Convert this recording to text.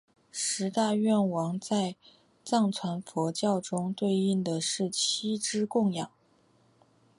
十大愿王在藏传佛教中对应的是七支供养。